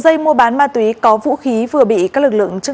đồng thời yêu cầu khách sạn